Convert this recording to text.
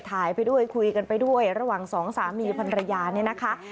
ไปด้วยคุยกันไปด้วยระหว่างสองสามีภรรยาเนี่ยนะคะ